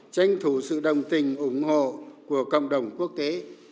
tranh thủ sự đồng tình ủng hộ của cộng đồng quốc tế